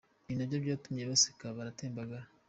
Ibi nabyo byatumye baseka baratembagara.